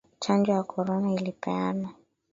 Chanjo ya korona ilipeanwa